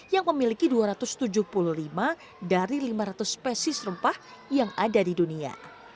yang memiliki dua ratus tujuh puluh lima dari lima ratus spesies rempah yang ada di dunia